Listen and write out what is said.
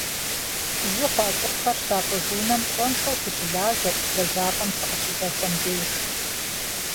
Жьы хъуа цӏыхухэр щапӏыж унэм пщӏэншэу сыщылажьэрт лэжьапӏэм сыкъыщыдэхуэм деж.